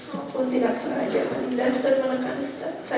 maupun tidak sengaja